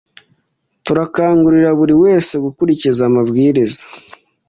Turakangurira buri wese gukurikiza amabwiriza